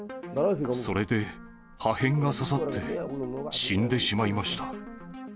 それで破片が刺さって死んでしまいました。